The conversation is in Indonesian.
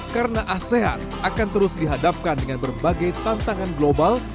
karena asean akan terus dihadapkan dengan berbagai tantangan global